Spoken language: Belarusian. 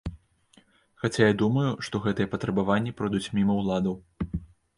Хаця я думаю, што гэтыя патрабаванні пройдуць міма ўладаў.